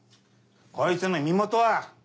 こいつの身元は？